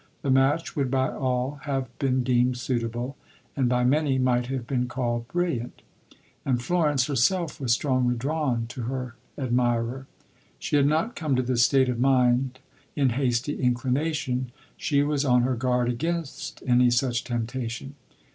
The match would by all have been deemed suitable, and by many might have been called brilliant. And Florence herself was strongly drawn to her admirer. She had not come to this state of mind in hasty inclination. She was on her guard against any such temptation.